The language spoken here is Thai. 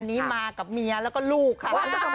อันนี้มากับเมียแล้วก็ลูกค่ะ